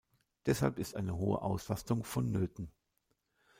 Deshalb ist eine hohe Auslastung vonnöten.